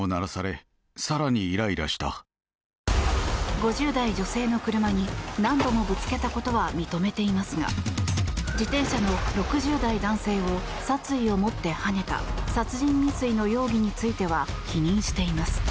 ５０代女性の車に何度もぶつけたことは認めていますが自転車の６０代男性を殺意を持ってはねた殺人未遂の容疑については否認しています。